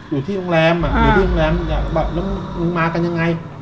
อยู่ที่โรงแรมอยู่ที่โรงแรมมึงอ่ะแล้วมึงมากันยังไง